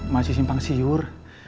masih simpang siur